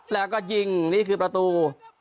แล้วก็ยิงนี่คือประตู